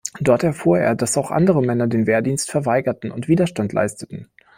Dort erfuhr er, dass auch andere Männer den Wehrdienst verweigerten und Widerstand leisteten.